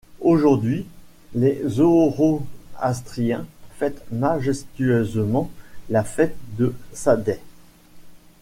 Aujourd'hui, les zoroastriens fêtent majestueusement la fête de Sadeh.